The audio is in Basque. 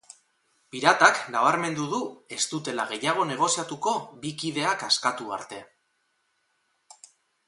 Piratak nabarmendu du ez dutela gehiago negoziatuko bi kideak askatu arte.